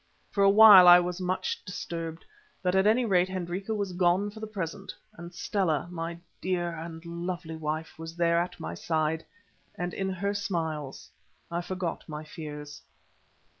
For a while I was much disturbed, but at any rate Hendrika was gone for the present, and Stella, my dear and lovely wife, was there at my side, and in her smiles I forgot my fears.